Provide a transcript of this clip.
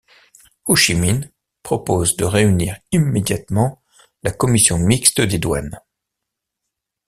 Ho Chi Minh propose de réunir immédiatement la commission mixte des douanes.